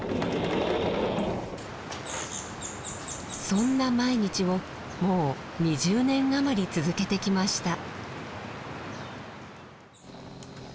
そんな毎日をもう２０年余り続けてきました。